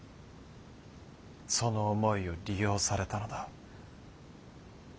その思いを利用されたのだ。